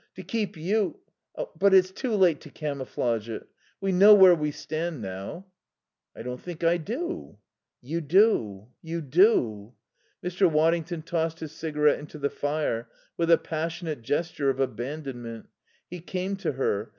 To keep you.... But it's too late to camouflage it. We know where we stand now." "I don't think I do." "You do. You do." Mr. Waddington tossed his cigarette into the fire with a passionate gesture of abandonment. He came to her.